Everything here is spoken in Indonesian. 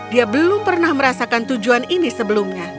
dia belum pernah merasakan tujuan ini sebelumnya